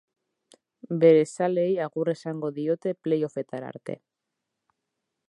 Bere zaleei agur esango diote play-offetara arte.